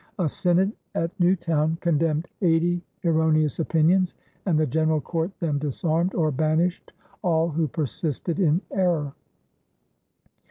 A synod at Newtown condemned eighty erroneous opinions, and the general court then disarmed or banished all who persisted in error.